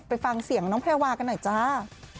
ไปฟังเสียงน้องแพรวากันหน่อยจ้า